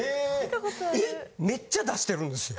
めっちゃ出してるんですよ。